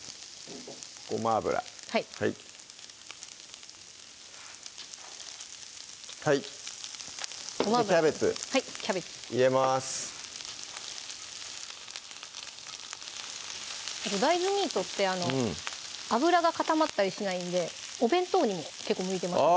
ごま油はいキャベツ入れます大豆ミートって脂が固まったりしないんでお弁当にも結構向いてますね